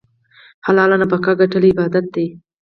حلاله نفقه ګټل عبادت دی.